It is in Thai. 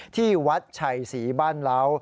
ที่วัดชัยศรีบ้านเล้า